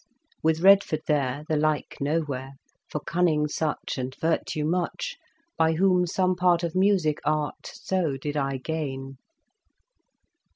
With Redford there, the like nowhere, For cunning such, and virtue much By whom some part of musicke art So did I gain."